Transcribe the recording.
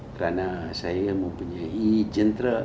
karena saya mempunyai jentera